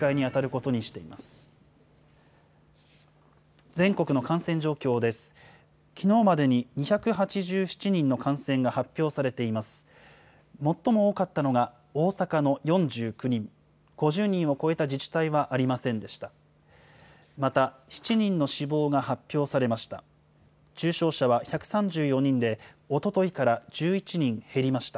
また７人の死亡が発表されました。